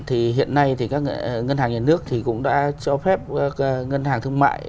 thì hiện nay thì các ngân hàng nhà nước thì cũng đã cho phép ngân hàng thương mại